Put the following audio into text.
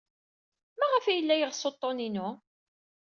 Maɣef ay yella yeɣs uḍḍun-inu?